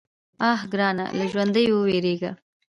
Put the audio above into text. _اه ګرانه! له ژونديو ووېرېږه.